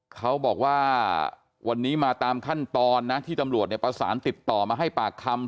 เขาบอกว่าวันนี้มาตามขั้นตอนนะที่ตำรวจประสานติดต่อมาให้ปากคำ